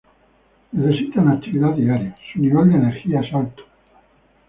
Necesitan actividad diaria, su nivel de energía es alto.